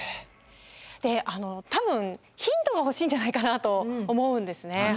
であの多分ヒントが欲しいんじゃないかなと思うんですね。